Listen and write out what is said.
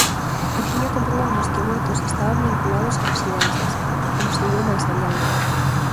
Axiña comprobamos que moitos estaban vinculados a residencias, como se viu máis adiante.